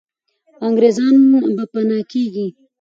انګریزان به پنا کېږي.